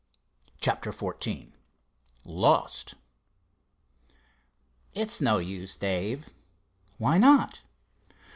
CHAPTER XIV LOST "It's no use, Dave." "Why not?"